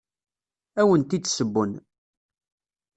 Ad awent-d-ssewwen.